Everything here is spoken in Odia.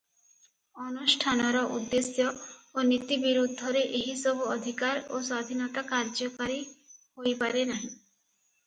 ଅନୁଷ୍ଠାନର ଉଦ୍ଦେଶ୍ୟ ଓ ନୀତି ବିରୁଦ୍ଧରେ ଏହିସବୁ ଅଧିକାର ଓ ସ୍ୱାଧୀନତା କାର୍ଯ୍ୟକାରୀ ହୋଇପାରେ ନାହିଁ ।